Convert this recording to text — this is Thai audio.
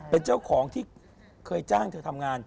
เป็นเจ้าของที่เคยจ้างเธอทำงาน